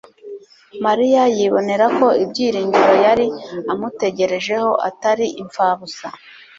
Mariya yibonera ko ibyiringiro yari amutegerejeho atari imfabusa.